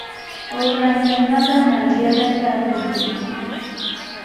Oluvannyuma ne bagamba nti yabadde afudde!